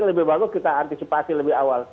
lebih bagus kita antisipasi lebih awal